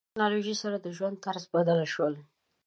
ټکنالوژي سره د ژوند طرز بدل شوی.